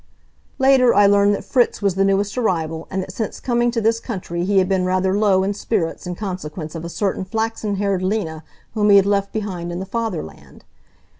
Later I learned that Fritz was the newest arrival and that since coming to this country he had been rather low in spirits in consequence of a certain flaxen haired Lena whom he had left behind in the fatherland.